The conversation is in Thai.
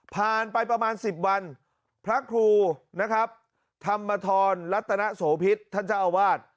ผ่านไปประมาณ๑๐วันพระครูนะครับธรรมธรรัตนโสพิษท่านเจ้าอาวาส